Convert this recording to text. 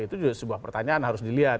itu juga sebuah pertanyaan harus dilihat